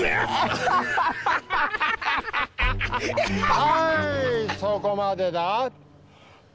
はいそこまでだ！